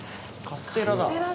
カステラ。